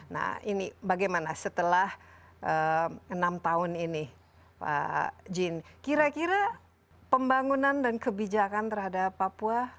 nah ini bagaimana setelah enam tahun ini pak jin kira kira pembangunan dan kebijakan terhadap papua